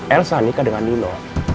elsa nikah dengan nino